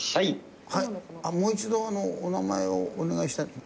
もう一度お名前をお願いしたいと。